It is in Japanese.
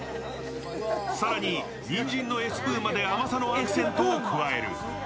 更に、にんじんのエスプーマで甘さのアクセントを加える。